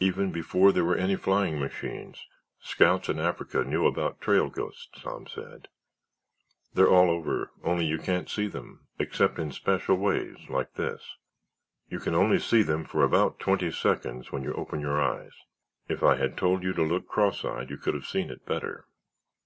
"Even before there were any flying machines, scouts in Africa knew about trail ghosts," Tom said. "They're all over, only you can't see them—except in special ways—like this. You can only see them for about twenty seconds when you open your eyes. If I'd have told you to look cross eyed you could have seen it better."